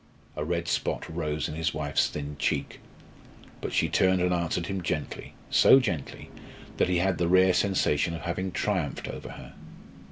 A red spot rose in his wife's thin cheek. But she turned and answered him gently, so gently that he had the rare sensation of having triumphed over her.